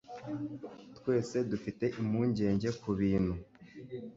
Twese dufite impungenge kubintu.